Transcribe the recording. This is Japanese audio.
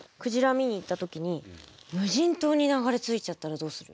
見に行った時に無人島に流れ着いちゃったらどうする？